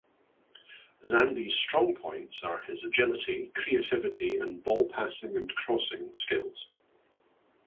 Zandi's strong points are his agility, creativity and ball passing and crossing skills.